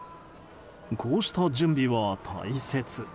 こうした準備は大切。